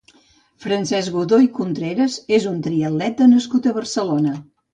Francesc Godoy Contreras és un triatleta nascut a Barcelona.